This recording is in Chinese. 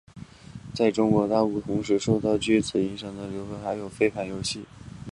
在中国大陆同时受此剧影响而流行的还有飞盘游戏。